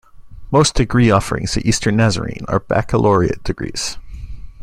Most degree offerings at Eastern Nazarene are baccalaureate degrees.